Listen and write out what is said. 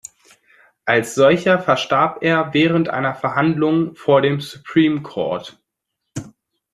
Als solcher verstarb er während einer Verhandlung vor dem Supreme Court.